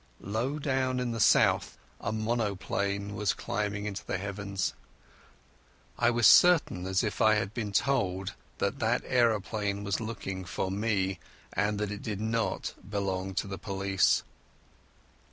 Low down in the south a monoplane was climbing into the heavens. I was as certain as if I had been told that that aeroplane was looking for me, and that it did not belong to the police.